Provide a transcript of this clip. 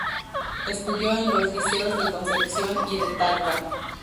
Estudió en los Liceos de Concepción y de Talca.